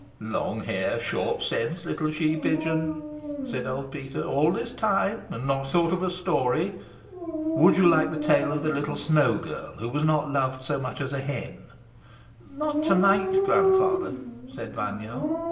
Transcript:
"Long hair, short sense, little she pigeon," said old Peter. "All this time and not thought of a story? Would you like the tale of the little Snow Girl who was not loved so much as a hen?" "Not to night, grandfather," said Vanya.